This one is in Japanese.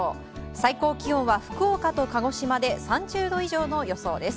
最高気温は福岡と鹿児島で３０度以上の予想です。